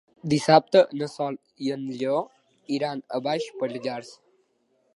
Dissabte na Sol i en Lleó iran a Baix Pallars.